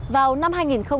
vào năm hai nghìn ba